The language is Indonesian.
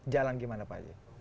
jalan gimana pak haji